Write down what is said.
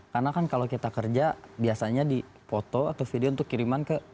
karena kan kalau kita kerja biasanya di foto atau video untuk kiriman ke